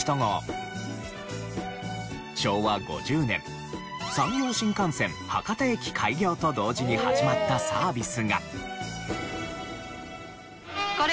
昭和５０年山陽新幹線博多駅開業と同時に始まったサービスが。